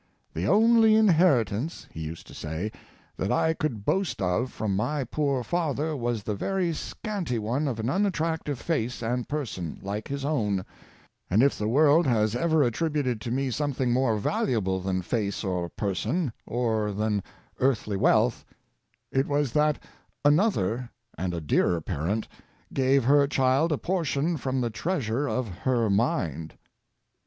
" The only inheritance," he used to say, " that I could boast of from my poor father was the very scanty one of an unattractive face and person, like his own, and if the world has ever attributed to me something more valuable than face or person, or than earthly wealth, it was that another and a dearer parent gave her child a portion from the treasure of her mind.""